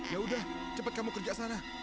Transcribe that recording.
ya udah cepat kamu kerja sana